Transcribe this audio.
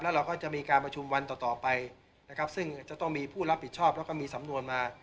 เราก็จะมีการประชุมวันต่อต่อไปนะครับซึ่งจะต้องมีผู้รับผิดชอบแล้วก็มีสำนวนมา